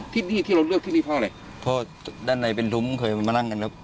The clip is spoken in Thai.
ที่นี่ที่เราเลือกที่นี่เพราะอะไรเพราะด้านในเป็นทุ้มเคยมานั่งกันแล้ว